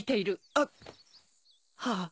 あっはぁ。